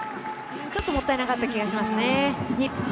ちょっともったいなかった気がしますね。